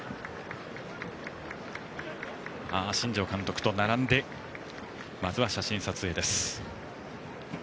新庄監督と並んでまず写真撮影の金村。